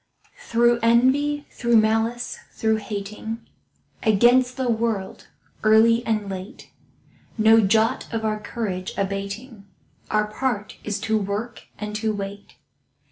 Through envy, through malice, through hating, Against the world, early and late, No jot of our courage abating— Our part is to work and to wait.